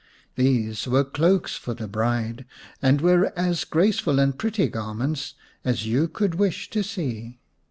These were cloaks for the bride, and were as graceful and pretty garments as you could wish to see.